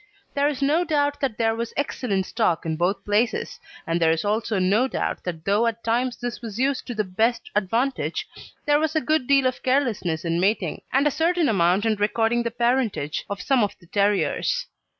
There is no doubt that there was excellent stock in both places, and there is also no doubt that though at times this was used to the best advantage, there was a good deal of carelessness in mating, and a certain amount in recording the parentage of some of the terriers.